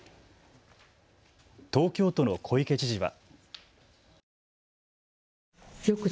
東京都の小池知事は。